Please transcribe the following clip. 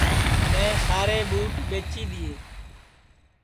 میں سارے ٻُوٹ ٻیچی دؔیئے